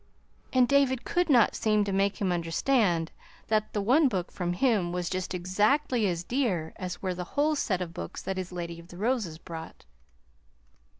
And David could not seem to make him understand that the one book from him was just exactly as dear as were the whole set of books that his Lady of the Roses brought.